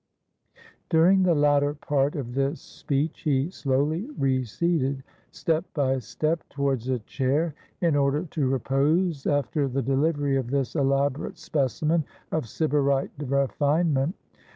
During the latter part of this speech, he slowly re 201 GREECE ceded, step by step, towards a chair, in order to repose after the delivery of this elaborate specimen of Sybarite refinement.